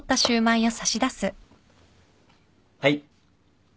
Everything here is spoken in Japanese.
はい。